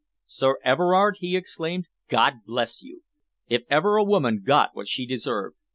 "Sir Everard," he exclaimed, "God bless you! If ever a woman got what she deserved!